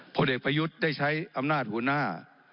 ผลเอกประยุทธ์ได้ใช้อำนาจหัวหน้า